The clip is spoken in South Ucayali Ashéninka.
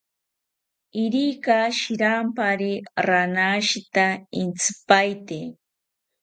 Irika shirampari ranashita intzipaete